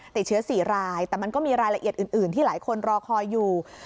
ติดเชื้อ๔รายแต่มันก็มีรายละเอียดอื่นที่หลายคนรอคอยอยู่